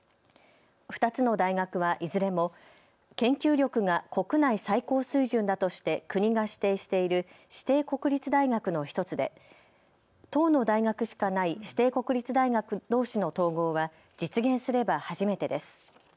２つの大学はいずれも研究力が国内最高水準だとして国が指定している指定国立大学の１つで１０の大学しかない指定国立大学どうしの統合は実現すれば初めてです。